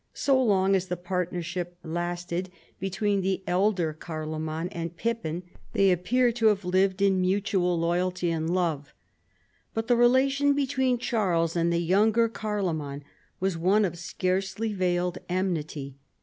So long as the partnership lasted between the elder Carloman and Pippin they appear to have lived in mutual loyalty and love ; but the relation between Charles and the younger Carloman was one of scarcely veiled enmity.